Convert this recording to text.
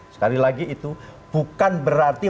sekali lagi itu bukan berarti